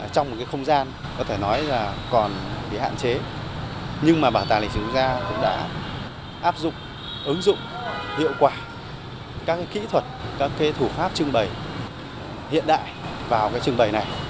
trong một cái không gian có thể nói là còn bị hạn chế nhưng mà bảo tàng lịch sử quốc gia cũng đã áp dụng ứng dụng hiệu quả các cái kỹ thuật các cái thủ pháp trưng bày hiện đại vào cái trưng bày này